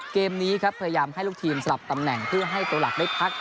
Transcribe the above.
เกมนี้ครับพยายามให้ลูกทีมสลับตำแหน่งเพื่อให้ตัวหลักได้พัก